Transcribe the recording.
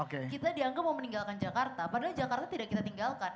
kita dianggap mau meninggalkan jakarta padahal jakarta tidak kita tinggalkan